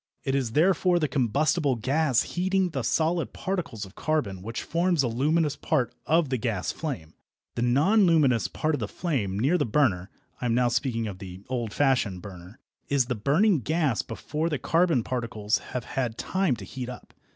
It is therefore the combustible gas heating the solid particles of carbon which forms the luminous part of the gas flame. The non luminous part of the flame, near the burner (I am now speaking of the old fashioned burner), is the burning gas before the carbon particles have had time to heat up.